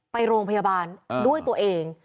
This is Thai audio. ไปโรงพยาบาลด้วยตัวเอง